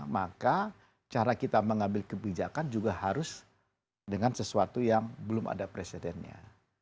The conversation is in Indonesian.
maka cara kita mengambil kebijakan juga harus dengan sesuatu yang belum ada presidennya